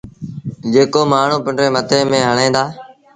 جيڪو مآڻهوٚٚݩ پنڊري مٿي ميݩ هڻين دآ